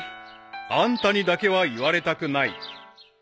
［あんたにだけは言われたくない］